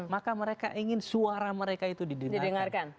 maka mereka ingin suara mereka itu didengarkan